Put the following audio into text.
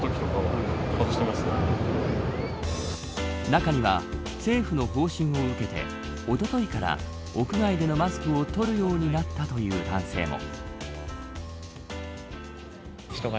中には、政府の方針を受けておとといから屋外でのマスクを取るようになったという男性も。